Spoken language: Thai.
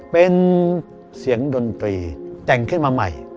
เป็นเสียงดนตรีแต่งขึ้นมาใหม่